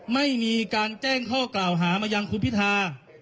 ไม่มีการแจ้งข้อกล่าวหามายังคุณพิธา